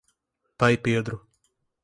Pai Pedro